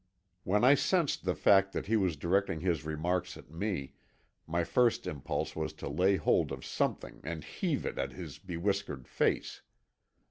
When I sensed the fact that he was directing his remarks at me, my first impulse was to lay hold of something and heave it at his bewhiskered face.